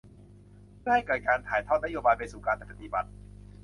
เพื่อให้เกิดการถ่ายทอดนโยบายไปสู่การปฏิบัติ